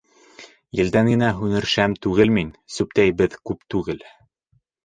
Елдән генә һүнер шәм түгел мин, Сүптәй беҙ күп түгел.